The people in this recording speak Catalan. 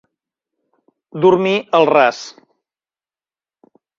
Dormir al ras.